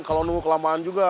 kalo nunggu kelamaan juga